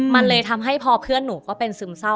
มันเลยทำให้พอเพื่อนหนูก็เป็นซึมเศร้า